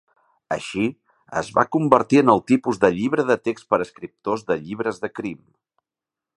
Així, es va convertir en el tipus de "llibre de text per escriptors de llibres de crim".